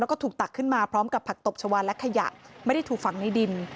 แล้วก็ถูกตักขึ้นมาพร้อมกับผักตบชาวานและขยะไม่ได้ถูกฝังในดิน